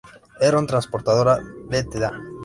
Enron Transportadora Ltda.